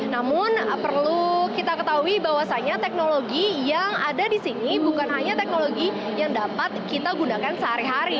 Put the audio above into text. namun perlu kita ketahui bahwasannya teknologi yang ada di sini bukan hanya teknologi yang dapat kita gunakan sehari hari